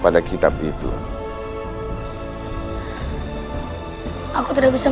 tidak apa untuk uanchang